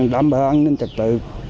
đảm bảo an ninh trật tự